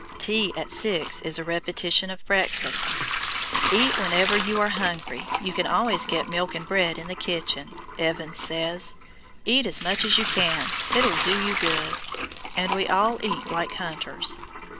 Tea at six is a repetition of breakfast. "Eat whenever you are hungry, you can always get milk and bread in the kitchen," Evans says "eat as much as you can, it'll do you good" and we all eat like hunters.